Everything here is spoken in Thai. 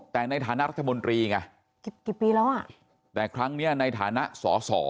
แต่ในฐานะรัฐมนตรีไงกี่ปีแล้วอ่ะแต่ครั้งเนี้ยในฐานะสอสอ